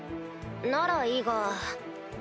ならいいが。